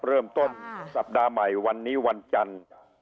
เริ่มต้นสัปดาห์ใหม่วันนี้วันจันทร์